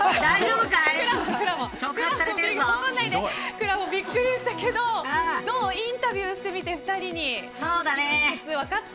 くらもん、びっくりしたけどインタビューしてみて、どう分かった。